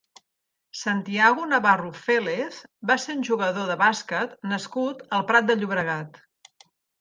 Santiago Navarro Félez va ser un jugador de bàsquet nascut al Prat de Llobregat.